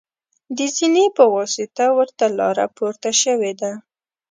د زینې په واسطه ورته لاره پورته شوې ده.